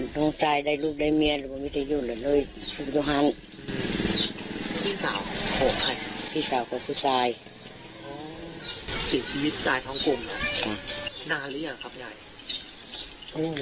ตอนนั้นน่ะเขาเขียนชีวิตอย่างไรชีวิตอย่างไรที่บ้านเลยหรือ